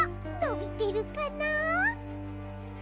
のびてるかな。